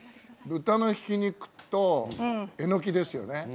豚のひき肉とエノキですよね。